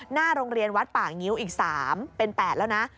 หน้าโรงเรียนวัดป่างิ้วอีก๓เป็น๘แล้วนะ